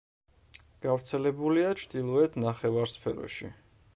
გავრცელებულია ჩრდილოეთ ნახევარსფეროში.